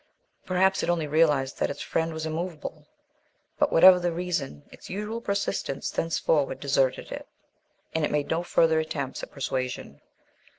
Perhaps it only realized that its friend was immovable. But, whatever the reason, its usual persistence thenceforward deserted it, and it made no further attempts at persuasion.